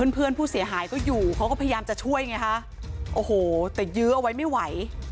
เพื่อนผู้เสียหายก็อยู่เขาก็พยายามจะช่วยไงฮะโอ้โหแต่ยื้อเอาไว้ไม่ไหว